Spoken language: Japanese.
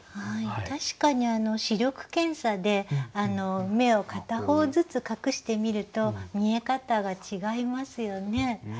確かに視力検査で目を片方ずつ隠してみると見え方が違いますよね。